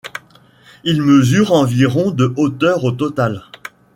Il mesure environ de hauteur au total.